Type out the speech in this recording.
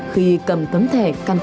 khi cầm tấm thẻ căn cấp công dân